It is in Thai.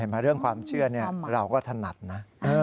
มาเรื่องความเชื่อเราก็ถนัดนะ